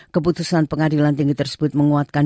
keputusan pengadilan tinggi tersebut menguatkan